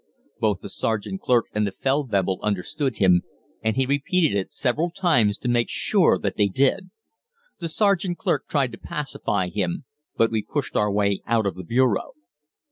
Both the sergeant clerk and the Feldwebel understood him, and he repeated it several times to make sure that they did. The sergeant clerk tried to pacify him, but we pushed our way out of the bureau.